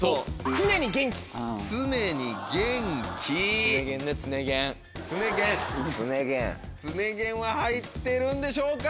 常元は入ってるんでしょうか？